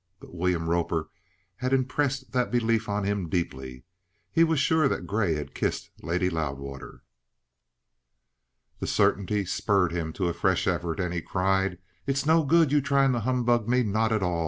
But William Roper had impressed that belief on him deeply. He was sure that Grey had kissed Lady Loudwater. The certainty spurred him to a fresh effort, and he cried: "It's no good your trying to humbug me none at all.